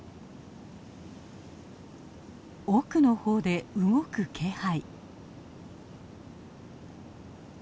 奥の方で動く気配。